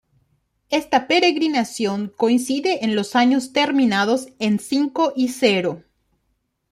Esta peregrinación coincide en los años terminados en cinco y cero.